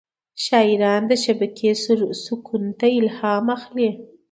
شاعران د شپې سکون ته الهام اخلي.